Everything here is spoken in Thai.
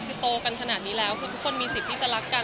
คือโตกันขนาดนี้แล้วคือทุกคนมีสิทธิ์ที่จะรักกัน